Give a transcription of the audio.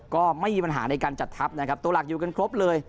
ก็ไม่มีปัญหาในการจัดทัพนะครับตัวหลักอยู่กันครบเลย